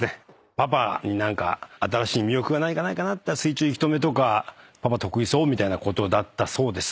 パパに新しい魅力が何かないかな？って言ったら水中息止めとかパパ得意そうみたいなことだったそうです。